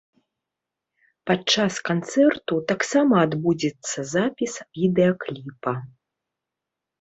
Падчас канцэрту таксама адбудзецца запіс відэакліпа.